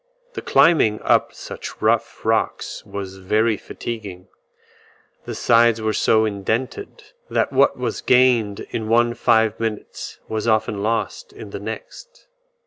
The climbing up such rough rocks was very fatiguing; the sides were so indented, that what was gained in one five minutes was often lost in the next.